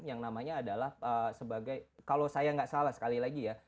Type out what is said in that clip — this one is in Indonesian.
yang namanya adalah sebagai kalau saya nggak salah sekali lagi ya